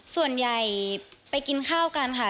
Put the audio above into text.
ส่วนใหญ่ไปกินข้าวกันค่ะ